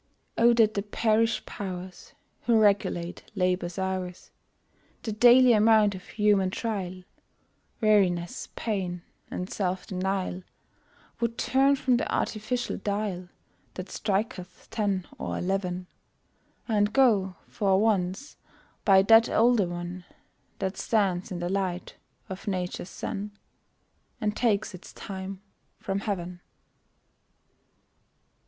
Oh that the Parish Powers, Who regulate Labor's hours, The daily amount of human trial, Weariness, pain, and self denial, Would turn from the artificial dial That striketh ten or eleven, And go, for once, by that older one That stands in the light of Nature's sun, And takes its time from Heaven!